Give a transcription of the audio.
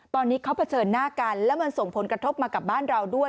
ตอนนี้เขาเผชิญหน้ากันแล้วมันส่งผลกระทบมากับบ้านเราด้วย